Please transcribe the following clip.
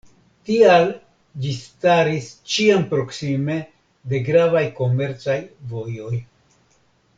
Tial ĝi staris ĉiam proksime de gravaj komercaj vojoj.